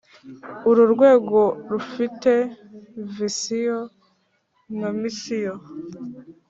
Uru rwego rufite visiyo na misiyo